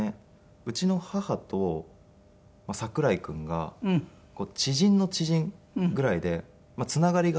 うちの母と櫻井君が知人の知人ぐらいでつながりが。